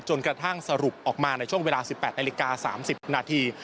กระทั่งสรุปออกมาในช่วงเวลา๑๘นาฬิกา๓๐นาที